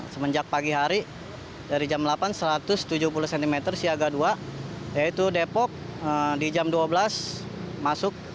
semenjak pagi hari dari jam delapan satu ratus tujuh puluh cm siaga dua yaitu depok di jam dua belas masuk